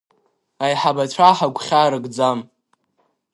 Аиҳабацәа ҳагәхьаа рыкӡам.